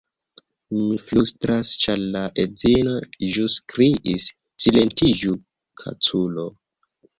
Mi flustras ĉar la edzino ĵus kriis "Silentiĝu kaculo!"